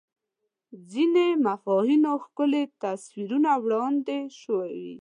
ځینو مفاهیمو ښکلي تصویرونه وړاندې شوي